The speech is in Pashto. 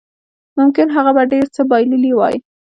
ممکن هغه به ډېر څه بایللي وای